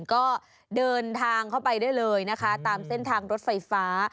ก็เดินทางเข้าไปได้เลยนะคะตามเส้นทางรถไฟฟ้า